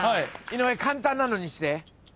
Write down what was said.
井上簡単なのにして。